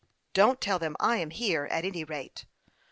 " Don't tell them I am here, at any rate."